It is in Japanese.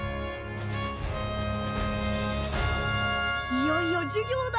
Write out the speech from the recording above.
いよいよ授業だ！